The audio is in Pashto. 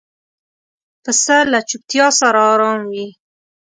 پسه له چوپتیا سره آرام وي.